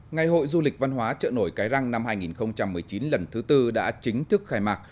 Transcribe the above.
ngày hội du lịch văn hóa chợ nổi cái răng năm hai nghìn một mươi chín lần thứ tư đã chính thức khai mạc